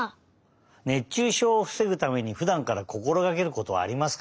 熱中症をふせぐためにふだんからこころがけることはありますか？